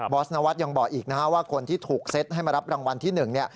บอสนวัสยังบอกอีกว่าคนที่ถูกเซ็ตให้มารับรางวัลที่๑